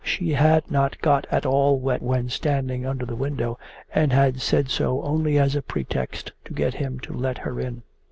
She had not got at all wet when standing under the window, and had said so only as a pretext to get him to let her in.